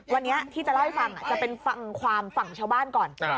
วันนี้ที่จะเล่าให้ฟังจะเป็นฟังความฝั่งชาวบ้านก่อน